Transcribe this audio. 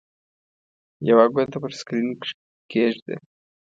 یوه ګوته پر سکرین کېږده.